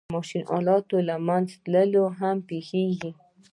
د ماشین آلاتو له منځه تلل هم پېښېږي